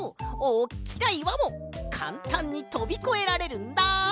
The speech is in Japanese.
おっきないわもかんたんにとびこえられるんだ！